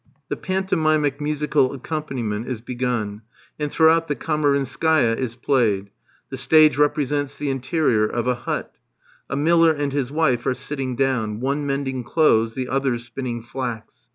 The pantomimic musical accompaniment is begun; and throughout the Kamarinskaia is played. The stage represents the interior of a hut. A miller and his wife are sitting down, one mending clothes, the other spinning flax.